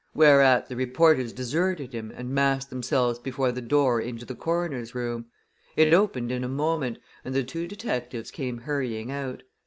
Whereat the reporters deserted him and massed themselves before the door into the coroner's room. It opened in a moment, and the two detectives came hurrying out.